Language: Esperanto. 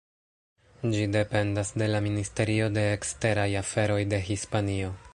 Ĝi dependas de la Ministerio de Eksteraj Aferoj de Hispanio.